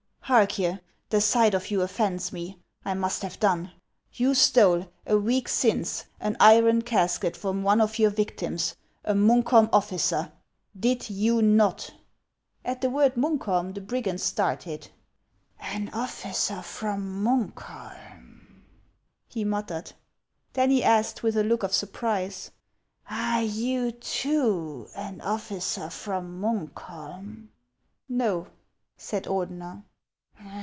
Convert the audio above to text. " Hark ye ; the sight of you offends me ; I must have done. You stole, a week since, an iron casket from one of your victims, a Munkholm officer, did you not ?" At the word " Munkholm " the brigand started. "An officer from Munkholm ?" he muttered. Then he asked, with a look of surprise, "Are you too an officer from Munkholm ?" "No," said Ordener.